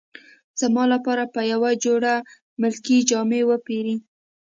زما لپاره به یوه جوړه ملکي جامې وپیرې.